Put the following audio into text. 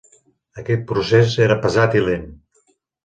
Aquest procés era pesat i lent.